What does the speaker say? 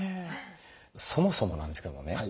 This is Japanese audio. そもそもなんですけどね